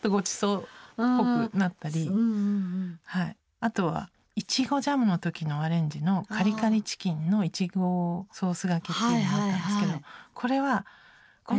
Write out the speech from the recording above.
あとは苺ジャムの時のアレンジの「カリカリチキンの苺ソースがけ」っていうのがあったんですけどこれはこの。